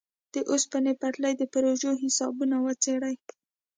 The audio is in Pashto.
د اوسپنې پټلۍ د پروژو حسابونه وڅېړي.